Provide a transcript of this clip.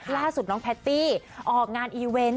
ล่าสุดน้องแพตตี้ออกงานอีเวนต์